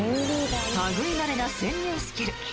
類いまれな潜入スキル。